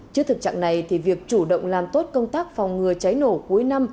trước thực trạng này việc chủ động làm tốt công tác phòng ngừa cháy nổ cuối năm